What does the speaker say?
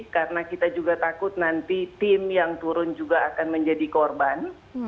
karena kita juga takut nanti tim yang turun juga akan menjadi korban